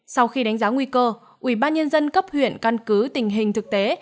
sau khi đánh giá nguy cơ ủy ban nhân dân cấp huyện căn cứ tình hình thực tế